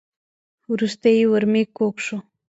وروسته یې ورمېږ کوږ شو .